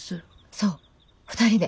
そう２人で。